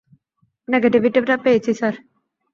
নেগেটিভটা পেয়েছি, স্যার!